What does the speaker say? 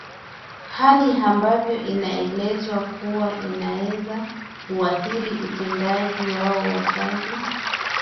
hali ambayo inaelezwa kuwa inaweza kuathiri utendaji wao wa kazi